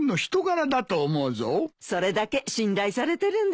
それだけ信頼されてるんですよ。